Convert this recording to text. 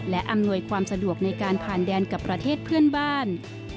และอำนวยความสะดวกในการผ่านแดนกับประเทศเพื่อนบ้าน